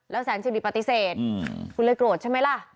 แสนสิริปฏิเสธคุณเลยโกรธใช่ไหมล่ะ